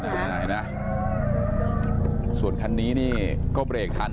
เห็นไหมส่วนคันนี้นี่ก็เบรกทัน